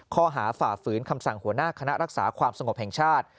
ฝ่าฝืนคำสั่งหัวหน้าคณะรักษาความสงบแห่งชาติ